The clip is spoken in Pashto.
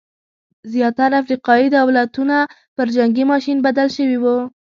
زیاتره افریقايي دولتونه پر جنګي ماشین بدل شوي وو.